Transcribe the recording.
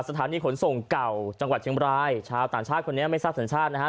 สถานีขนส่งเก่าจังหวัดเชียงบรายชาวต่างชาติคนนี้ไม่ทราบสัญชาตินะฮะ